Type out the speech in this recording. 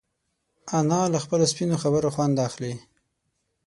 انا له سپینو خبرو خوند اخلي